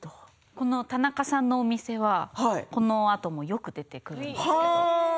このタナカさんのお店はこのあともよく出てくるんですよ。